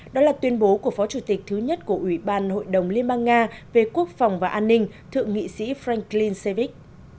đó là tuyên bố của phó chủ tịch thứ nhất của ủy ban hội đồng liên bang nga về quốc phòng và an ninh thượng nghị sĩ franklin seevich